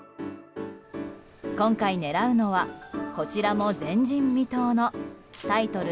今回狙うのはこちらも前人未到のタイトル